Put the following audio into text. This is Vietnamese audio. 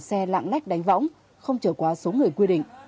xe lạng lách đánh võng không trở quá số người quy định